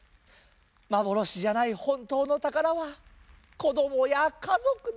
まぼろしじゃないほんとうのたからはこどもやかぞくだ。